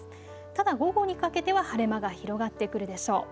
ただ午後にかけては晴れ間が広がってくるでしょう。